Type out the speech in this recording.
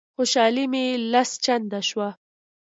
خوشالي مي لس چنده شوه.